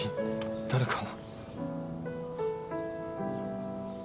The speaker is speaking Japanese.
誰かな？